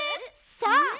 さあ！